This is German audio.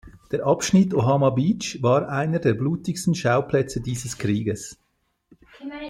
Der Abschnitt Omaha Beach war einer der blutigsten Schauplätze dieses Krieges.